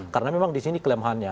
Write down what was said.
karena memang disini kelemahannya